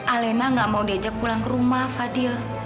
alena gak mau diajak pulang ke rumah fadil